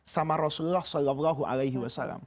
sama rasulullah s a w